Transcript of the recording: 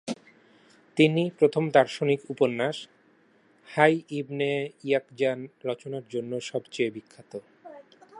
তিনি প্রথম দার্শনিক উপন্যাস হাই ইবনে ইয়াকজান রচনার জন্য সবচেয়ে বিখ্যাত।